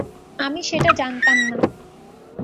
আমি সেটা জানতাম না।